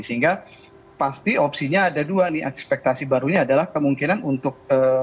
sehingga pasti opsinya ada dua nih ekspektasi barunya adalah kemungkinan untuk